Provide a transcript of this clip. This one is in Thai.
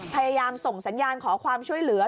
พยายามส่งสัญญาณขอความช่วยเหลือ